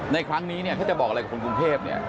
ในครั้งนี้ถ้าจะบอกอะไรกับคนกรุงเทพ